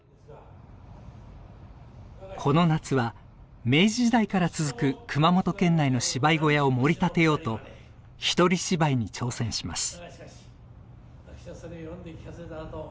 この夏は明治時代から続く熊本県内の芝居小屋をもり立てようと一人芝居に挑戦します。